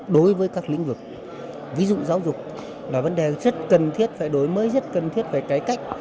đối với các lĩnh vực ví dụ giáo dục là vấn đề rất cần thiết phải đổi mới rất cần thiết phải cải cách